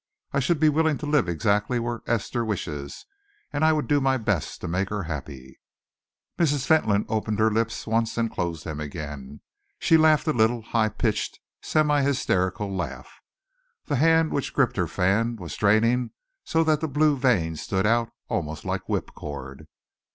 I should be willing to live exactly where Esther wishes, and I would do my best to make her happy." Mrs. Fentolin opened her lips once and closed them again. She laughed a little a high pitched, semi hysterical laugh. The hand which gripped her fan was straining so that the blue veins stood out almost like whipcord.